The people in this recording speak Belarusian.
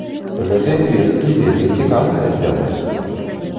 Гэтыя весткі вельмі цікавыя для вас!